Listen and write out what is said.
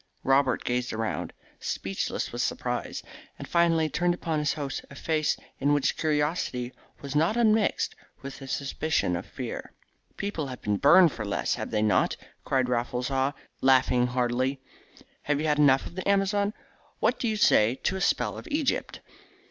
Robert gazed around, speechless with surprise, and finally turned upon his host a face in which curiosity was not un mixed with a suspicion of fear. "People have been burned for less, have they not?" cried Raffles Haw laughing heartily. "Have you had enough of the Amazon? What do you say to a spell of Egypt?"